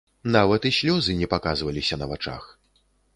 Нават і слёзы не паказваліся на вачах.